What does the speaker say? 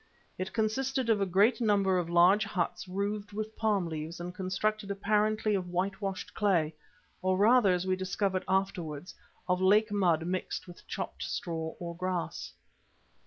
It consisted of a great number of large huts roofed with palm leaves and constructed apparently of whitewashed clay, or rather, as we discovered afterwards, of lake mud mixed with chopped straw or grass.